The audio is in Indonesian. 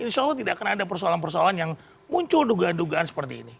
insya allah tidak akan ada persoalan persoalan yang muncul dugaan dugaan seperti ini